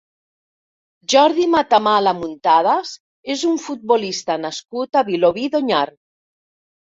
Jordi Matamala Muntadas és un futbolista nascut a Vilobí d'Onyar.